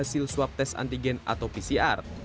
hasil swab tes antigen atau pcr